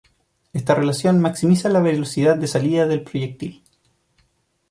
Esta relación maximiza la velocidad de salida del proyectil.